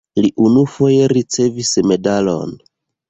Li unufoje ricevis medalon.